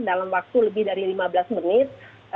dalam waktu lebih dari lima belas menit